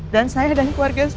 dan saya dan keluarga saya